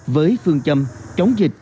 với phương châm chống dịch